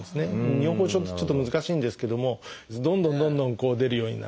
尿崩症ってちょっと難しいんですけどもどんどんどんどん出るようになってしまう。